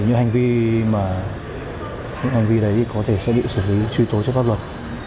những hành vi đấy có thể sẽ bị xử lý truy tố cho pháp luật